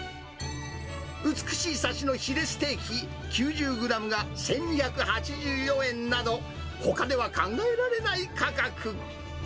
美しいサシのヒレステーキ９０グラムが１２８４円など、ほかでは考えられない価格。